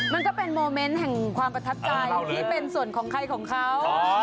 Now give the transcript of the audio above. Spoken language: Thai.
มันก็เป็นโมเมนต์แห่งความประทับใจที่เป็นส่วนของใครของเขา